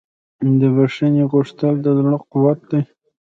د بښنې غوښتل د زړه قوت دی.